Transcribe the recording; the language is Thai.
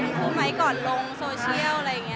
คู่ไหมก่อนลงโซเชียลอะไรอย่างนี้